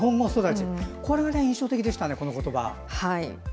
これが印象的でしたね、この言葉。